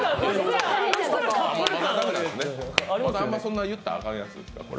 あんまそんな言ったらあかんやつ？